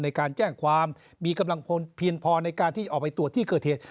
ในการแจ้งความมีกำลังพลเพียงพอในการที่จะออกไปตรวจที่เกิดเหตุ